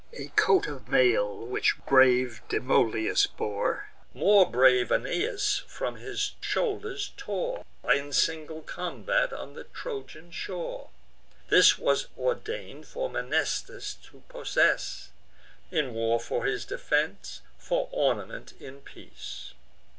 A coat of mail, brave Demoleus bore, More brave Aeneas from his shoulders tore, In single combat on the Trojan shore: This was ordain'd for Mnestheus to possess; In war for his defence, for ornament in peace.